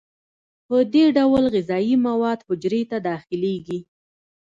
په دې ډول غذایي مواد حجرې ته داخلیږي.